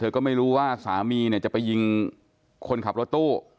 เธอก็ไม่รู้ว่าสามีจะไปยิงคนขับรถตู้